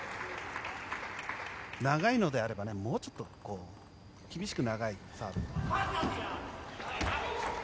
長いのであればもうちょっと厳しく長いサーブを。